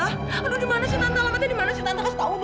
aduh di mana sih tante alam mata di mana sih tante kasih tahu dong